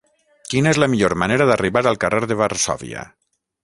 Quina és la millor manera d'arribar al carrer de Varsòvia?